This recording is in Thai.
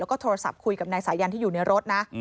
แล้วก็โทรศัพท์คุยกับนายสายันที่อยู่ในรถนะ